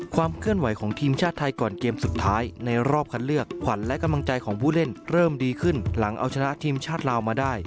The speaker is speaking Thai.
ความเคลื่อนไหวของทีมชาติไทยก่อนเกมสุดท้ายในรอบคัดเลือกขวัญและกำลังใจของผู้เล่นเริ่มดีขึ้นหลังเอาชนะทีมชาติลาวมาได้